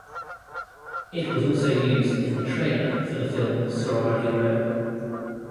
It was also used in the trailer for the film "Sorority Row".